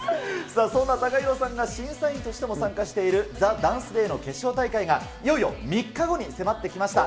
さあ、そんなＴＡＫＡＨＩＲＯさんが、審査員としても参加している、ＴＨＥＤＡＮＣＥＤＡＹの決勝大会が、いよいよ３日後に迫ってきました。